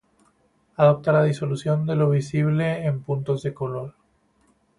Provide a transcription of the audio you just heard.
Adopta la disolución de lo visible en puntos de color.